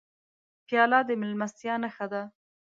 پیاله د میلمستیا نښه ده.